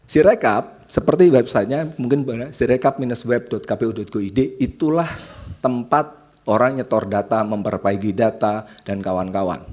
sirekap seperti websitenya mungkin sirekap minus web kpu go id itulah tempat orang nyetor data memperbaiki data dan kawan kawan